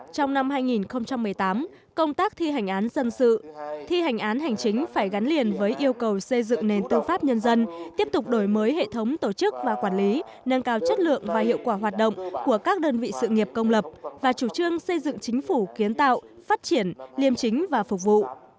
trong năm hai nghìn một mươi tám công tác thi hành án dân sự thi hành án hành chính phải gắn liền với yêu cầu xây dựng nền tư pháp nhân dân tiếp tục đổi mới hệ thống tổ chức và quản lý nâng cao chất lượng và hiệu quả hoạt động của các đơn vị sự nghiệp công lập và chủ trương xây dựng chính phủ kiến tạo phát triển liêm chính và phục vụ